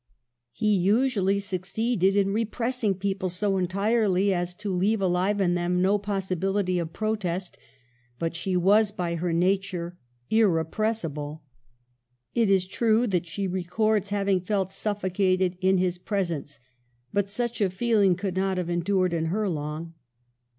He usually succeeded in repressing people so entirely as to leave alive in them no possibility of protest ; but she was, by her nature, irrepressible. It is true that she records having felt suffocated in his presence, but such a feeling could not have endured in her long.